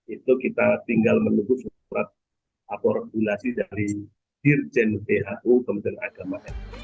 itu kita tinggal menunggu seberat regulasi dari dirjen bau kementerian agama